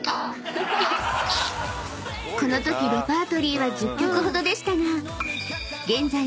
［このときレパートリーは１０曲ほどでしたが］